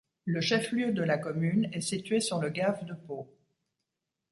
Le chef-lieu de la commune est situé sur le gave de Pau.